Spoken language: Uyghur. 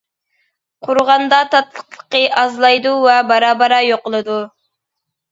قۇرۇغاندا تاتلىقلىقى ئازلايدۇ ۋە بارا بارا يوقىلىدۇ.